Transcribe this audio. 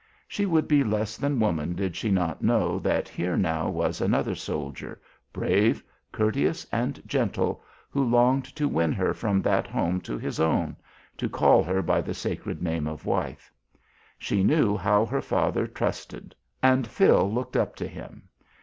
She would be less than woman did she not know that here now was another soldier, brave, courteous, and gentle, who longed to win her from that home to his own, to call her by the sacred name of wife. She knew how her father trusted and Phil looked up to him.